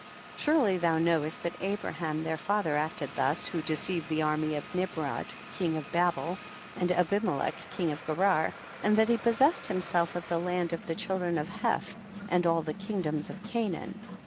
Surely thou knowest that Abra ham their father acted thus, who de ceived the army of Nimrod king of Babel, and Abimelech king of Gerar, and that he possessed himself of the land of the children of Heth and all the kingdoms of Canaan, 10.